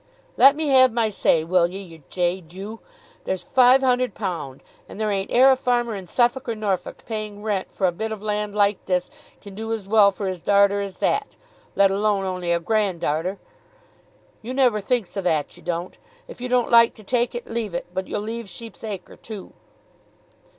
"Let me have my say, will ye, yer jade, you? There's five hun'erd pound! and there ain't ere a farmer in Suffolk or Norfolk paying rent for a bit of land like this can do as well for his darter as that, let alone only a granddarter. You never thinks o' that; you don't. If you don't like to take it, leave it. But you'll leave Sheep's Acre too."